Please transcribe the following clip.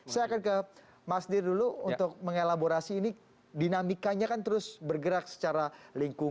saya akan ke mas nir dulu untuk mengelaborasi ini dinamikanya kan terus bergerak secara lingkungan